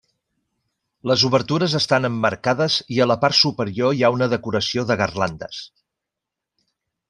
Les obertures estan emmarcades i a la part superior hi ha una decoració de garlandes.